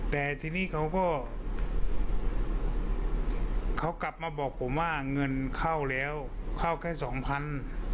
แต่ทีนี้เขาก็เขากลับมาบอกผมว่าเงินเข้าแล้วเข้าแค่สองพัน